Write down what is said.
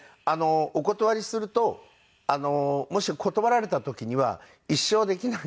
お断りするともし断られた時には一生できないので。